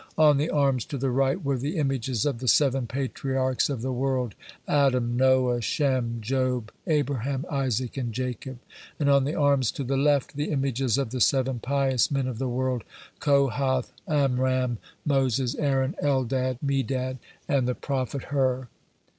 On the arms to the right were the images of the seven patriarchs of the world, Adam, Noah, Shem, Job, Abraham, Isaac, and Jacob; and on the arms to the left, the images of the seven pious men of the world, Kohath, Amram, Moses, Aaron, Eldad, Medad, and the prophet Hur.